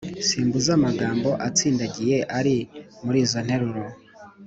simbuza amagambo atsindagiye ari muri izi nteruro